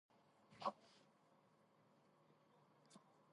ამ მხარეში მიწისქვეშა წყლების სიუხვე, მრავალი ტბა და ჭაობია.